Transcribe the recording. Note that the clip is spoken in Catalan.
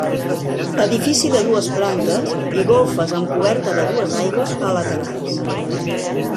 Edifici de dues plantes i golfes amb coberta de dues aigües a laterals.